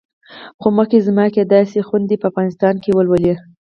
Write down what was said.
خو مخکې زما یې کېدای شي خویندې په افغانستان کې ولولي.